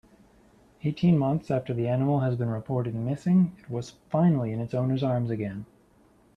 Eighteen months after the animal has been reported missing it was finally in its owner's arms again.